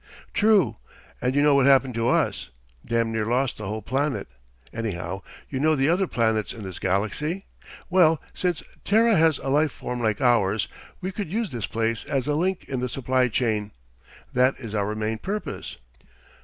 "True. And you know what happened to us? Damned near lost the whole planet. Anyhow, you know the other planets in this galaxy? Well, since Terra has a life form like ours, we could use this place as a link in the supply chain. That is our main purpose.